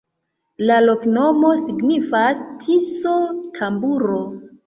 La loknomo signifas: Tiso-tamburo.